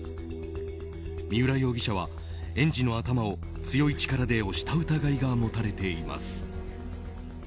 三浦容疑者は園児の頭を強い力で押した疑いが持たれています。